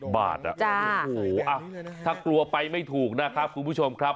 บาทโอ้โหถ้ากลัวไปไม่ถูกนะครับคุณผู้ชมครับ